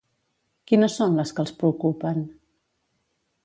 Quines són les que els preocupen?